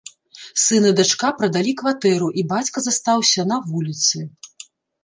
Сын і дачка прадалі кватэру, і бацька застаўся на вуліцы.